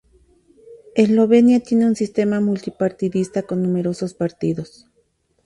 Eslovenia tiene un sistema multipartidista, con numerosos partidos.